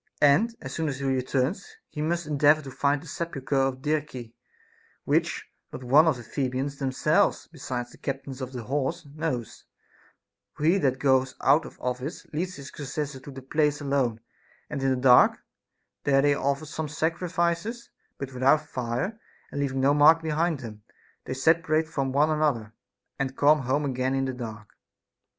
And as soon as he returns, he must endeavor to find the sepulchre of Dirce, which not one of the Thebans themselves, besides the captains of the horse, knows ; for he that goes out of his office leads his successor to the place alone, and in the dark ; there they offer some sacrifices, but without fire, and leaving no mark behind them, they separate from one another, and come home again in the dark.